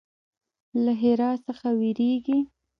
له ښرا څخه ویریږي.